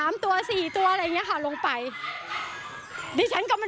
มีแต่ลูกสาวลูกชายช่วยบ้าง